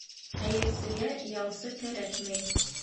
Хәйерсегә ялсы кәрәкмәй.